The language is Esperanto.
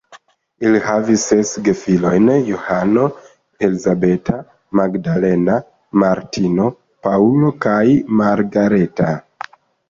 Ili havis ses gefilojn: Johano, Elizabeta, Magdalena, Martino, Paŭlo kaj Margareta.